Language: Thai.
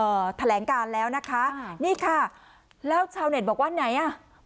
แถลงการแล้วนะคะนี่ค่ะแล้วชาวเน็ตบอกว่าไหนอ่ะ